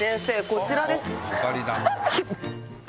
こちらです。